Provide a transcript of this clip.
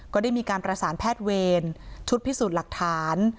ก็ได้มีการประสานแพทย์เวรชุดพิสูจน์หลักฐาน